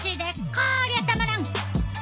こりゃたまらん！